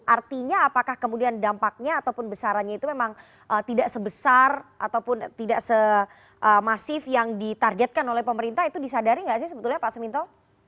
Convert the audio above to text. artinya apakah kemudian dampaknya ataupun besarannya itu memang tidak sebesar ataupun tidak semasif yang ditargetkan oleh pemerintah itu disadari nggak sih sebetulnya pak suminto